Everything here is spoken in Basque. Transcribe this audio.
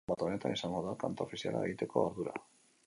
Larunbat honetan izango da kanta ofiziala egiteko ardura.